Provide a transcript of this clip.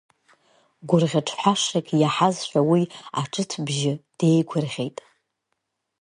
Гәырӷьаҿҳәашак иаҳазшәа, уи аҿыҭбжьы деигәырӷьеит.